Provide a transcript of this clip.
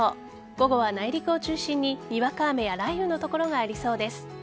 午後は内陸を中心ににわか雨や雷雨の所がありそうです。